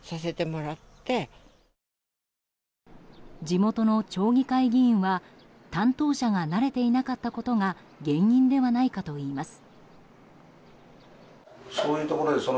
地元の町議会議員は担当者が慣れていなかったことが原因ではないかといいます。